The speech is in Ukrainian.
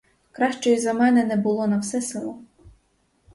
Кращої за мене не було на все село.